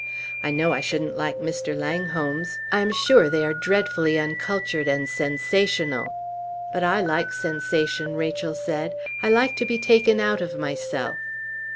I know I shouldn't like Mr. Langholm's; I am sure they are dreadfully uncultured and sensational." "But I like sensation," Rachel said. "I like to be taken out of myself."